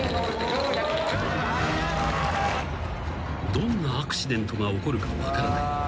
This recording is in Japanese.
［どんなアクシデントが起こるか分からない］